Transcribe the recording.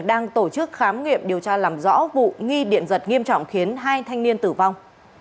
đang tổ chức khám nghiệm điều tra làm rõ vụ nghi điện giật nghiêm trọng khiến hai thanh niên tử vong